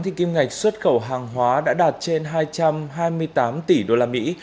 thì kim ngạch xuất khẩu hàng hóa đã đạt trên hai trăm hai mươi tám tỷ đô la mỹ